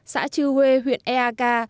xã chư huê huyện ea ca